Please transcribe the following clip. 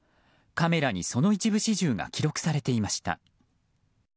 カメラにその一部始終が記録されていました。